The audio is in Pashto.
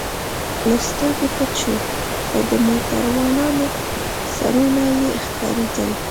له سترګو پټ شو، خو د موټروانانو سرونه یې ښکارېدل.